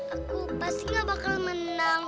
aku pasti gak bakal menang